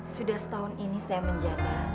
sudah setahun ini saya menjaga